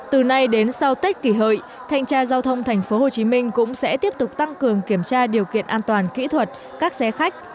từ nay đến sau tết kỷ hợi thanh tra giao thông tp hcm cũng sẽ tiếp tục tăng cường kiểm tra điều kiện an toàn kỹ thuật các xe khách